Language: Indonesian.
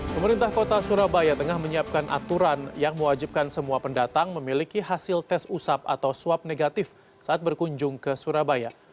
pemerintah kota surabaya tengah menyiapkan aturan yang mewajibkan semua pendatang memiliki hasil tes usap atau swab negatif saat berkunjung ke surabaya